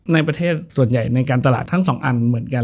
ในประเทศส่วนใหญ่ในการตลาดทั้งสองอันเหมือนกัน